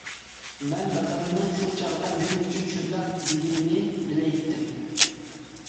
مەن دادامنىڭ شۇ چاغدا نېمە ئۈچۈن شۇنداق دېگىنىنى بىلەيتتىم.